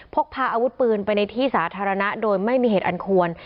พกพาอาวุธปืนไปในที่สาธารณะโดยไม่มีเหตุอันควร